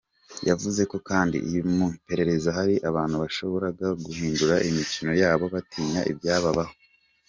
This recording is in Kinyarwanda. Yavuze kandi mu iperereza hari abantu bashoboraga guhindura imikono yabo batinya ibyababaho.